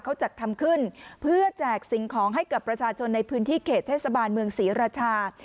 เขาจัดทำขึ้นเพื่อแจกสิ่งของให้กับประชาชนในพื้นที่เขตเทศบาลเมืองศรีราชา